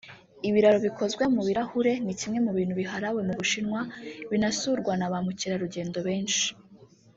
Ibiraro bikozwe mu birahure ni kimwe mu bintu biharawe mu Bushinwa binasurwa na ba mukerarugendo benshi